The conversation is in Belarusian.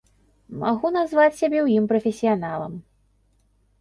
Магу назваць сябе ў ім прафесіяналам.